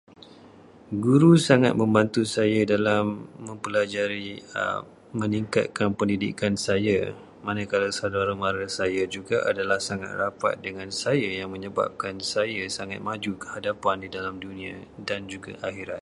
Guru sangat membantu saya dalam mempelajari meningkatkan pendidikan saya. Manakala saudara-mara saya juga adalah sangat rapat dengan saya yang menyebabkan saya sangat maju ke hadapan di dalam dunia dan juga akhirat.